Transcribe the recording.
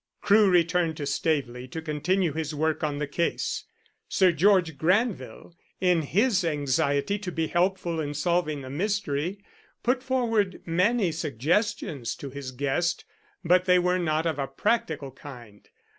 Crewe returned to Staveley to continue his work on the case. Sir George Granville, in his anxiety to be helpful in solving the mystery, put forward many suggestions to his guest, but they were not of a practical kind.